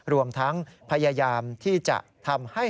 รวมทั้งพยายามที่จะทำให้